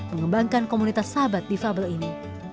mengembangkan komunitas sahabat difabel ini